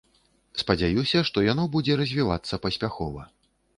Спадзяюся, што яно будзе развівацца паспяхова.